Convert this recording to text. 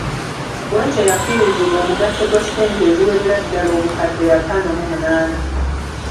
Bwete yafiirizibwa omugatte gwa ssente eziwerera ddala obukadde ataano mu munaana.